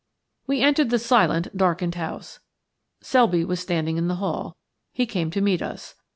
We entered the silent, darkened house. Selby was standing in the hall. He came to meet us.